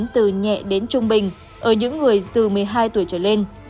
từ nhẹ đến trung bình ở những người từ một mươi hai tuổi trở lên